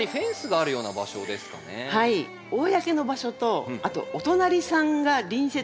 公の場所とあとお隣さんが隣接